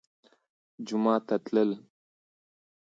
جومات ته تلل